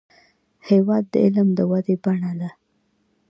هېواد د علم د ودې بڼه ده.